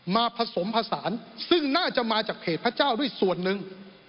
ผสมผสานซึ่งน่าจะมาจากเพจพระเจ้าด้วยส่วนหนึ่ง